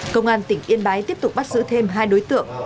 công an tỉnh yên bái tiếp tục bắt giữ thêm hai đối tượng